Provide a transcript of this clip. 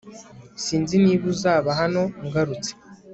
Sinzi niba uzaba hano ngarutse